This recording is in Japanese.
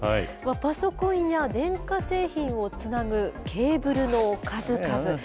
パソコンや電化製品をつなぐケーブルの数々。